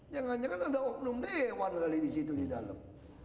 jangan jangan ada oknum dewan kali disitu di dalam